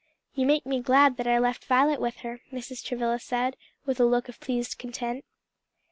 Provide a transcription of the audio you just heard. "You make me glad that I left Violet with her," Mrs. Travilla said, with a look of pleased content.